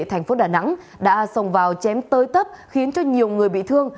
thành phố đà nẵng đã sòng vào chém tơi tấp khiến cho nhiều người bị thương